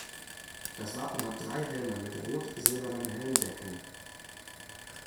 Das Wappen hat drei Helme mit rot-silbernen Helmdecken.